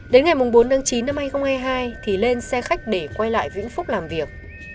đến ngày bốn tháng chín năm hai nghìn hai mươi hai thì lên xe khách để quay lại vĩnh phúc làm việc